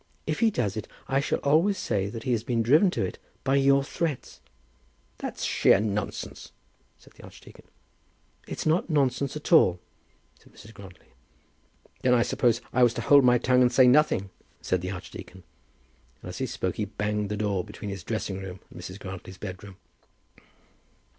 If he does it, I shall always say that he has been driven to it by your threats." "That's sheer nonsense," said the archdeacon. "It's not nonsense at all," said Mrs. Grantly. "Then I suppose I was to hold my tongue and say nothing?" said the archdeacon; and as he spoke he banged the door between his dressing room and Mrs. Grantly's bedroom.